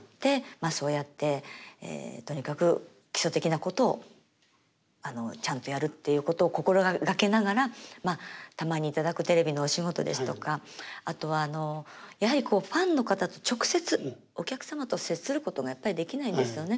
まあそうやってとにかく基礎的なことをちゃんとやるっていうことを心がけながらまあたまに頂くテレビのお仕事ですとかあとはやはりこうファンの方と直接お客様と接することがやっぱりできないんですよね。